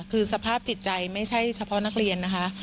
คือสภาพจิตใจไม่ใช่เฉพาะนักเรียนนะคะ